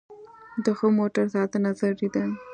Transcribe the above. د ښه موټر ساتنه ضروري ده.